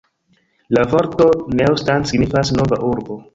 La vorto Neustadt signifas "nova urbo".